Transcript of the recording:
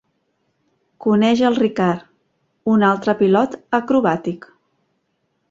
Coneix al Ricard, un altre pilot acrobàtic.